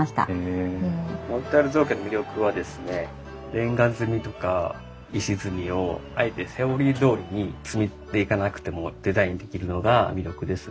レンガ積みとか石積みをあえてセオリーどおりに積んでいかなくてもデザインできるのが魅力ですね。